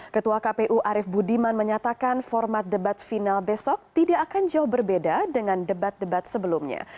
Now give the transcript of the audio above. ketua kpu arief budiman menyatakan format debat final besok tidak akan jauh berbeda dengan debat debat sebelumnya